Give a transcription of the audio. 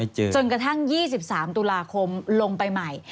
จนกระทั่ง๒๓ตุลาคมลงไปใหม่